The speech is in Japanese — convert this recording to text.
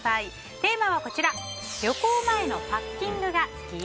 テーマは、旅行前のパッキングが好き？